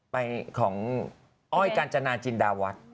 ไปของอ้อยกาญจนาจินดาวัฒน์